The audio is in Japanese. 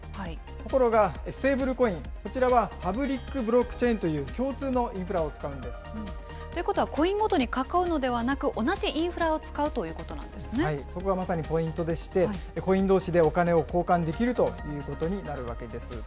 ところが、ステーブルコイン、こちらはパブリックブロックチェーンという共通のインフラを使うということは、コインごとに囲うのではなく、同じインフラを使うということなんそこがまさにポイントでして、コインどうしでお金を交換できるということになるわけです。